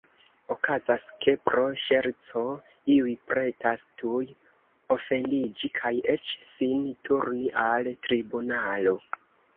Okazas, ke pro ŝerco iuj pretas tuj ofendiĝi kaj eĉ sin turni al tribunalo.